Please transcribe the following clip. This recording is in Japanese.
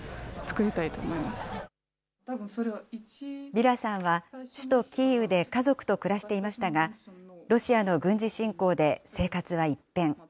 ヴィラさんは、首都キーウで家族と暮らしていましたが、ロシアの軍事侵攻で生活は一変。